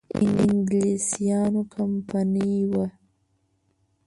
انګلیسیانو کمپنی وه.